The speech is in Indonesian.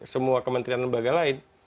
dan semua kementerian lembaga lain